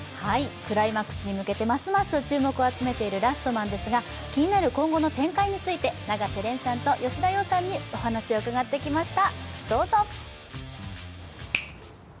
クライマックスに向けてますます注目を集めている「ラストマン」ですが気になる今後の展開について永瀬廉さんと吉田羊さんにお話を伺ってきました。